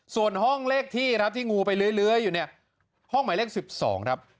ส่วนห้องเลขที่ครับที่งูไปเลื้อยเลื้อยอยู่เนี่ยห้องไหมเลขสิบสองครับ